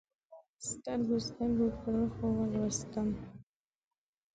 سترګو، سترګو پرخو ولوستم